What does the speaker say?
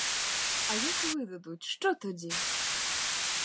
А як видадуть, що тоді?!